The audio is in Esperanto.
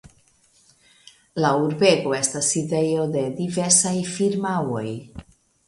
La urbego estas sidejo de diversaj firmaoj.